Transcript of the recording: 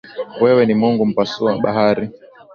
Wewe ni Mungu mpasua bahari